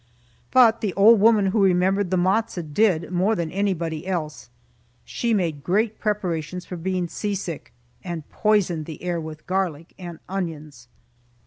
But the old woman who remembered the matzo did, more than anybody else. She made great preparations for being seasick, and poisoned the air with garlic and onions.